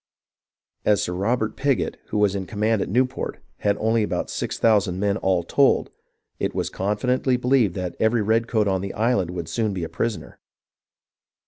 As Sir Robert Pigot, who was in command at Newport, had only about six thousand men all told, it was confidently believed every redcoat on the island would soon be a pris oner.